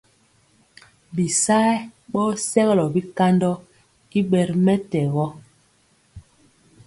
Bisayɛ ɓɔ sɛgɔlɔ bikandɔ i ɓɛ ri mɛtɛgɔ.